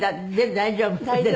大丈夫？